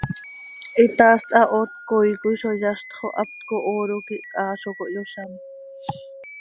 Hitaast hahoot cöcoii coi zo yazt xo haptco hooro quih chaa zo cohyozám.